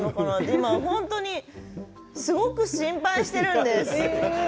今、本当にすごく心配してるんです。